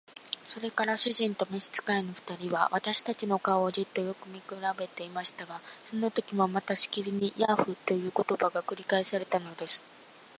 それから主人と召使の二人は、私たちの顔をじっとよく見くらべていましたが、そのときもまたしきりに「ヤーフ」という言葉が繰り返されたのです。